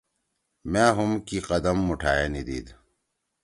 مأ ہوم کی قدم موٹھائے نیدید